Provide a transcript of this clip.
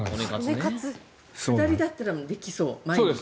下りだったらできそう。